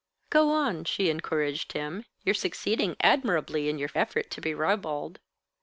"Go on," she encouraged him. "You're succeeding admirably in your effort to be ribald."